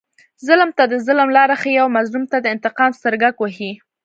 ظلم ته د ظلم لاره ښیي او مظلوم ته د انتقام سترګک وهي.